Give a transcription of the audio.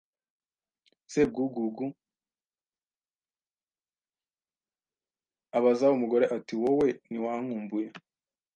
Sebwugugu abaza umugore ati wowe ntiwankumbuye